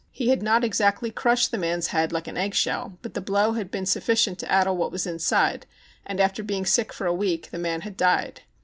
He had not exactly crushed the man's head like an egg shell, but the blow had been sufficient to addle what was inside, and, after being sick for a week, the man had died.